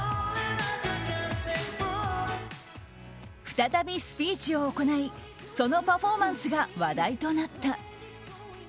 再びスピーチを行いそのパフォーマンスが話題となった。